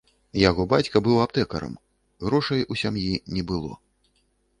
Яго бацька быў аптэкарам, грошай у сям'і не было.